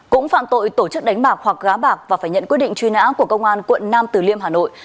cũng phạm tội tổ chức đánh bạc hoặc gá bạc và phải nhận quyết định truy nã của công an quận nam từ liêm hà nội